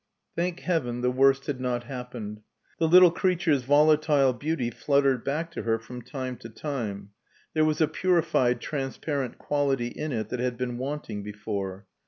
Thank heaven, the worst had not happened. The little creature's volatile beauty fluttered back to her from time to time; there was a purified transparent quality in it that had been wanting before.